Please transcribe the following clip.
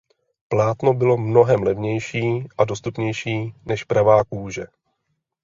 Plátno bylo mnohem levnější a dostupnější než pravá kůže.